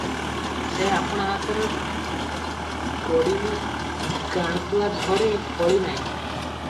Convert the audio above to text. ସେ ଆପଣା ହାତରେ କୋଡ଼ି ଗାଣ୍ତୁଆ ଧରି ଖୋଳିନାହିଁ ।